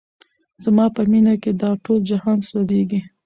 زما په مینه کي دا ټول جهان سوځیږي